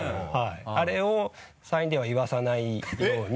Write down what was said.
あれを山陰では言わさないように。